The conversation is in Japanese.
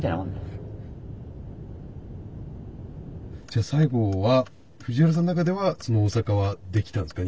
じゃ最後は藤原さんの中では大阪はできたんですか？